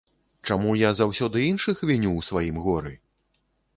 Чаму я заўсёды іншых віню ў сваім горы?